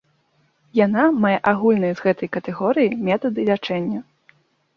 Яна мае агульныя з гэтай катэгорыяй метады лячэння.